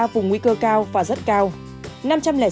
bảy mươi ba vùng nguy cơ cao và rất cao